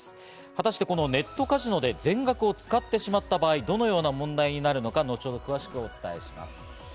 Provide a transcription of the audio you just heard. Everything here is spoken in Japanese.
果たしてネットカジノで全額を使ってしまった場合、どのような問題になるのか後ほど詳しくお伝えします。